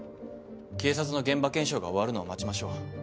警察の現場検証が終わるのを待ちましょう。